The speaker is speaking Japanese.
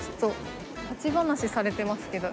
立ち話されてますけど。